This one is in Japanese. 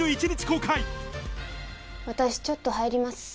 私ちょっと入ります。